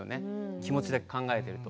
気持ちだけ考えていると。